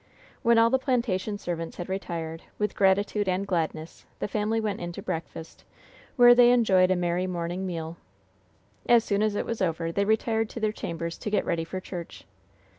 When all the plantation servants had retired, with gratitude and gladness, the family went in to breakfast, where they enjoyed a merry morning meal. As soon as it was over, they retired to their chambers to get ready for church.